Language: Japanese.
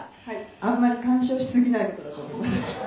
「あんまり干渉しすぎない事だと思います」